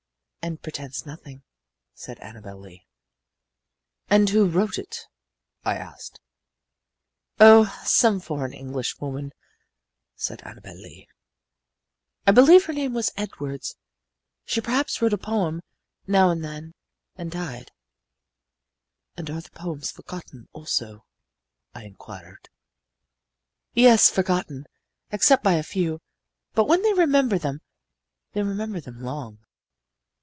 "And pretends nothing," said Annabel Lee. "And who wrote it?" I asked. "Oh, some forgotten Englishwoman," said Annabel Lee. "I believe her name was Edwards. She perhaps wrote a poem, now and then, and died." "And are the poems forgotten, also?" I inquired. "Yes, forgotten, except by a few. But when they remember them, they remember them long."